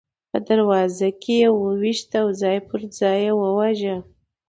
په دروازه کې یې وویشت او ځای پر ځای یې وواژه.